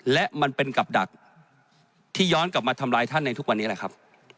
และมันเป็นกับดักที่ย้อนกลับมาทำร้ายท่านในทุกวันนี้แหละครับ